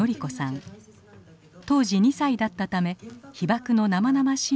当時２歳だったため被爆の生々しい